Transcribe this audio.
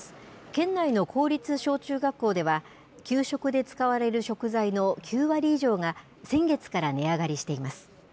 県内の公立小中学校では、給食で使われる食材の９割以上が、先月から値上がりしています。